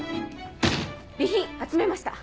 備品集めました。